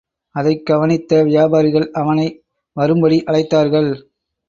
அதைக் கவனித்த வியாபாரிகள் அவனை வரும்படி அழைத்தார்கள்.